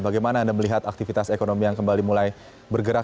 bagaimana anda melihat aktivitas ekonomi yang kembali mulai bergerak